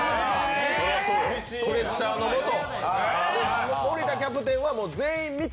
プレッシャーのもと。